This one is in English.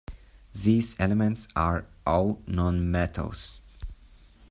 These elements are all nonmetals.